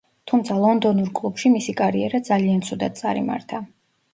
თუმცა ლონდონურ კლუბში მისი კარიერა ძალიან ცუდად წარიმართა.